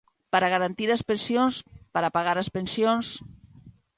Para garantir as pensións, para pagar as pensións.